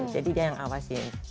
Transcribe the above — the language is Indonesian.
jadi dia yang awasi